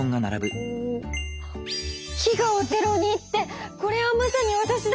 「飢餓をゼロに」ってこれはまさにわたしだ！